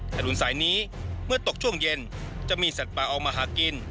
ถนนสายนี้เมื่อตกช่วงเย็นจะมีสัตว์ป่าออกมาหากิน